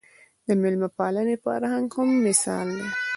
د مېلمه پالنې فرهنګ هم مثال دی